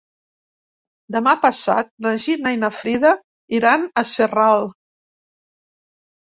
Demà passat na Gina i na Frida iran a Sarral.